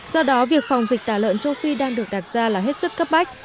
do đó việc phòng dịch tả lợn châu phi đang được đặt ra là hết sức cấp bách